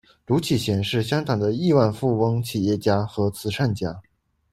卢启贤是香港的亿万富翁企业家和慈善家。